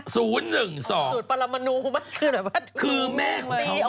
สูตรปรมานูมะคือแบบว่าดูคือแม่ของเขาเนี่ย